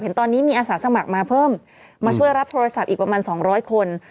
ตอนนี้มีอาสาสมัครมาเพิ่มมาช่วยรับโทรศัพท์อีกประมาณ๒๐๐คน